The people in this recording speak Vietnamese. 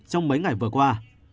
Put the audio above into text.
trong mấy ngày vừa qua